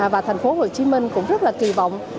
và thành phố hồ chí minh cũng rất là kỳ vọng